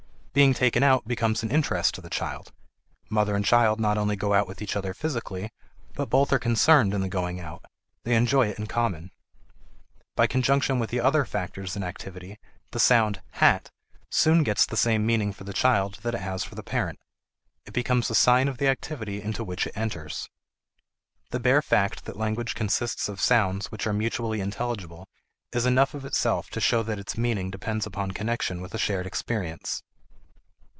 Being taken out becomes an interest to the child; mother and child not only go out with each other physically, but both are concerned in the going out; they enjoy it in common. By conjunction with the other factors in activity the sound "hat" soon gets the same meaning for the child that it has for the parent; it becomes a sign of the activity into which it enters. The bare fact that language consists of sounds which are mutually intelligible is enough of itself to show that its meaning depends upon connection with a shared experience.